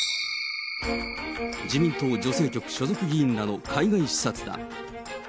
自民党女性局所属議員らの海外視察だ。